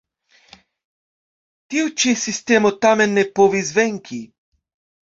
Tiu ĉi sistemo tamen ne povis venki.